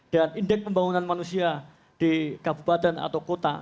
dan indeks pembangunan manusia di kabupaten atau kota